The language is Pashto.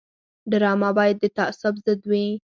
ډرامه باید د تعصب ضد وي